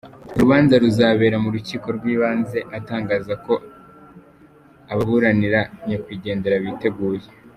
Uru rubanza ruzabera mu rukiko rw’ibanze atangaza ko ababuranira nyakwigendera biteguye.